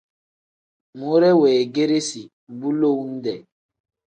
Muure weegeresi bu lowu-dee.